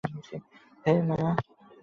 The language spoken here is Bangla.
হেই, মায়া।